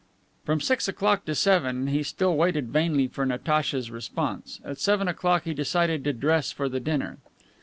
From six o'clock to seven he still waited vainly for Natacha's response. At seven o'clock, he decided to dress for the dinner.